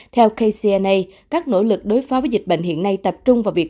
theo kcna các nỗ lực đối phó với dịch bệnh hiện nay tập trung vào việc